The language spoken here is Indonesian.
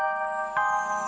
tidak ada yang tahu